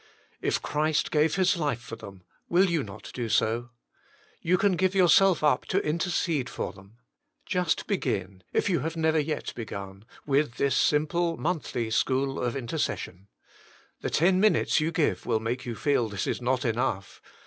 If Christ gave His life for them, will you not do f>o ? You can give yourself up to intercede for them. Just begin, if you have never yet begun, with this simple monthly school of intercession. The ten minutes you give will make you feel this is not enough.